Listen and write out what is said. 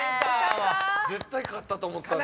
絶対勝ったと思ったのにな。